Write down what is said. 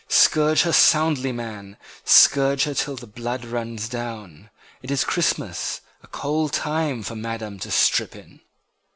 Scourge her soundly man! Scourge her till the blood runs down! It is Christmas, a cold time for Madam to strip in!